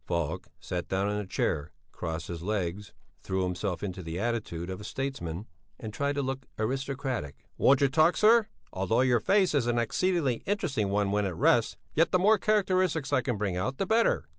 Falk sat down in a chair, crossed his legs, threw himself into the attitude of a statesman and tried to look aristocratic. "Won't you talk, sir? Although your face is an exceedingly interesting one when at rest, yet the more characteristics I can bring out, the better."